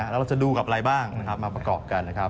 เราจะดูกับอะไรบ้างนะครับมาประกอบกันนะครับ